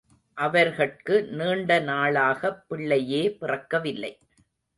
அவர்கட்கு நீண்ட நாளாகப் பிள்ளையே பிறக்கவில்லை.